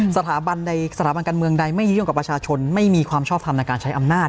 สถาบันใดสถาบันการเมืองใดไม่ยุ่งกับประชาชนไม่มีความชอบทำในการใช้อำนาจ